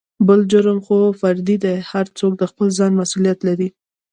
بل جرم خو فردي دى هر څوک دخپل ځان مسولېت لري.